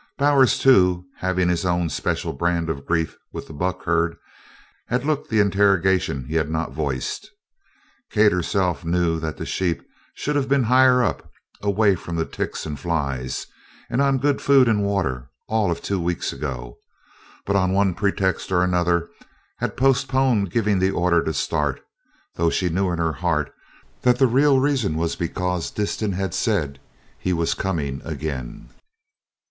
Bowers, too, having his own special brand of grief with the buck herd, had looked the interrogation he had not voiced. Kate herself knew that the sheep should have been higher up, away from the ticks and flies and on good food and water all of two weeks ago, but, on one pretext or another, had postponed giving the order to start, though she knew in her heart that the real reason was because Disston had said he was coming again.